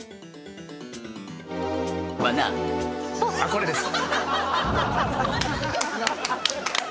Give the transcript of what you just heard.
これです。